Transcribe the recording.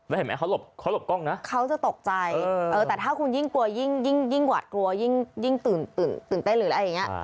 แล้วเห็นไหมเขาหลบกล้องนะเขาจะตกใจแต่ถ้าคุณยิ่งกลัวยิ่งหวาดกลัวยิ่งตื่นตื่นเต้นหรืออะไรอย่างนี้